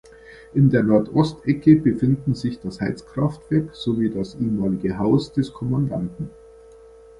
In der Nordostecke befinden sich das Heizkraftwerk sowie das ehemalige Haus des Kommandanten.